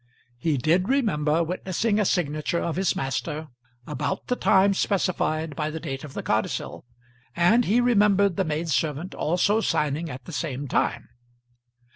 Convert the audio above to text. He did remember witnessing a signature of his master about the time specified by the date of the codicil, and he remembered the maid servant also signing at the same time.